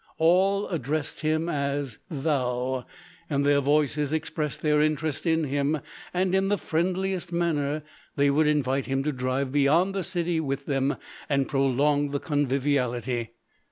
All addressed him as "thou," and their voices expressed their interest in him, and in the friendliest manner, they would invite him to drive beyond the city with them, and prolong the conviviality.